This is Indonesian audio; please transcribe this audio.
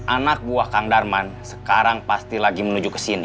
anak buah kang darman sekarang pasti lagi menuju kesini